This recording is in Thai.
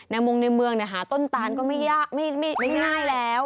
ในมุมในเมืองหาต้นตานก็ไม่ง่ายแล้ว